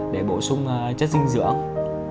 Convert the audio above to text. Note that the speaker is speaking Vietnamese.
sử dụng chất dinh dưỡng